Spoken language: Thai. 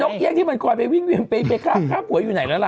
น้องเฮียงที่มันก่อนไปวิ่งไปข้าบหัวอยู่ไหนแล้วล่ะ